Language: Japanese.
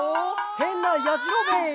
へんなやじろべえ」